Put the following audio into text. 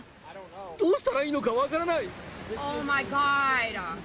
どうしたらいいのか分からない。